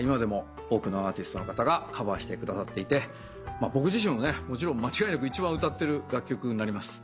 今でも多くのアーティストの方がカバーしてくださっていて僕自身もねもちろん間違いなく一番歌ってる楽曲になります。